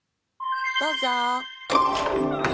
どうぞ。